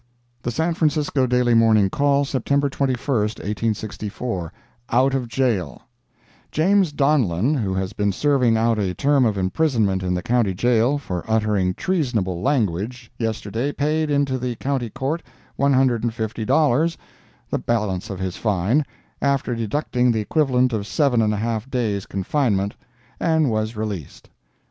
The San Francisco Daily Morning Call, September 21, 1864 OUT OF JAIL James Donlan, who has been serving out a term of imprisonment in the County Jail, for uttering treasonable language, yesterday paid into the County Court one hundred and fifty dollars, the balance of his fine, after deducting the equivalent of seven and a half days confinement, and was released.